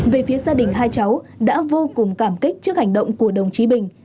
về phía gia đình hai cháu đã vô cùng cảm kích trước hành động của đồng chí bình